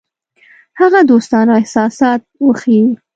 هغه دوستانه احساسات وښيي.